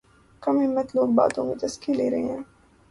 کم ہمت لوگ باتوں کے چسکے لے رہے ہیں